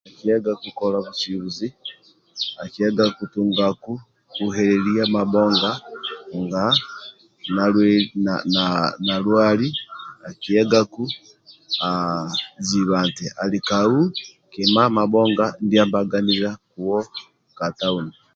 Akiyagaku kola busubuzi akiyagaku tunga buheleliya mabhonga nga nali na na nalwali akiyagaku ziba aaa nti alikau kima mabhonga kuwo ka tauni